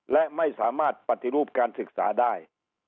และไม่สามารถปฏิรูปการศึกษาได้